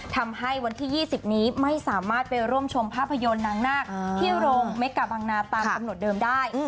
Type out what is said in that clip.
ทำให้วันที่๒๐นี้ไม่สามารถไปร่วมชมภาพยนตร์นางนาคที่โรงเมกาบังนาตามกำหนดเดิมได้